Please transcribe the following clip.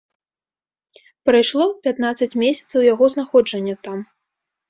Прайшло пятнаццаць месяцаў яго знаходжання там.